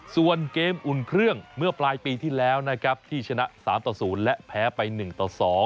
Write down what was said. ส่วนเกมอุ่นเครื่องเมื่อปลายปีที่แล้วนะครับที่ชนะ๓ต่อ๐และแพ้ไป๑ต่อ๒